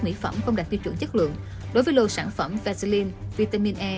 mỹ phẩm không đạt tiêu chuẩn chất lượng đối với lô sản phẩm vecellin vitamin e